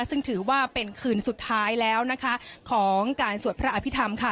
ซึ่งถือว่าเป็นคืนสุดท้ายแล้วนะคะของการสวดพระอภิษฐรรมค่ะ